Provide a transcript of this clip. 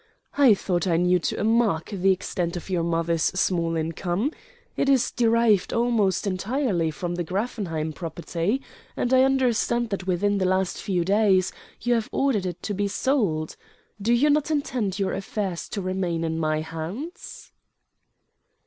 "I thought I knew to a mark the extent of your mother's small income. It is derived almost entirely from the Graffenheim property; and I understand that within the last few days you have ordered it to be sold. Do you not intend your affairs to remain in my hands?"